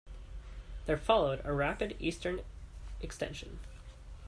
There followed a rapid eastern extension.